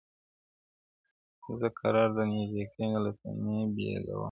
• زه کرار درنیژدې کېږم له تنې دي بېلومه -